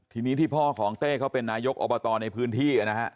ทีนี้ที่พ่อของเต้เขาเป็นนายกอบตในพื้นที่นะฮะ